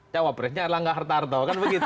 cawapresnya erlangga hartarto